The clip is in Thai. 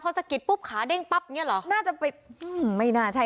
พอสะกิดปุ๊บขาเด้งปั๊บเนี้ยเหรอน่าจะไปอือไม่น่าใช่